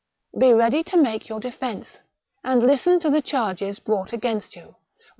Be ready to make your defence, and listen to the charges brought against you, which M.